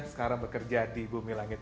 sekarang bekerja di bumi langit